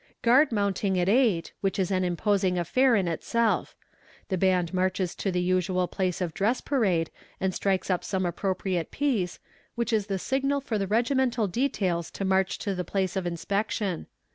Guard mounting at eight, which is an imposing affair in itself. The band marches to the usual place of dress parade and strikes up some appropriate piece, which is the signal for the regimental details to march to the place of inspection.